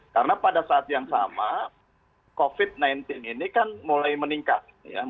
karena pada saat yang sama covid sembilan belas ini kan mulai meningkat